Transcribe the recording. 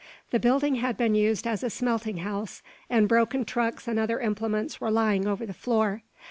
The building had been used as a smelting house, and broken trucks and other implements were lying over the floor.